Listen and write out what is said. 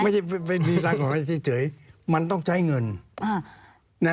ไม่ใช่มีไปตามกฎหมายเฉยมันต้องใช้เงิน